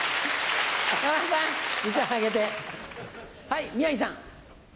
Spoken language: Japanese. はい宮治さん。